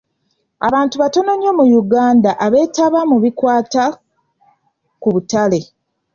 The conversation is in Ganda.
Abantu batono nnyo mu Uganda abeetaba mu bikwaata ku butale.